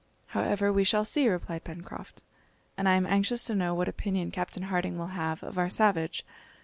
"However, we shall see," replied Pencroft; "and I am anxious to know what opinion Captain Harding will have of our savage.